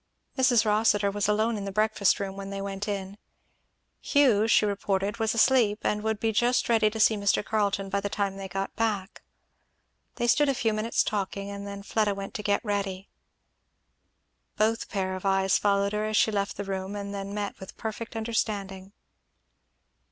Mrs. Rossitur was alone in the breakfast room when they went in. Hugh she reported was asleep, and would be just ready to see Mr. Carleton by the time they got back. They stood a few minutes talking, and then Fleda went to get ready. Both pair of eyes followed her as she left the room and then met with perfect understanding.